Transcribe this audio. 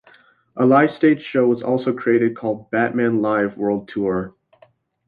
A live stage show was also created, called "Batman Live: World Tour".